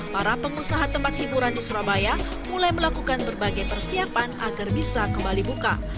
para pengusaha tempat hiburan di surabaya mulai melakukan berbagai persiapan agar bisa kembali buka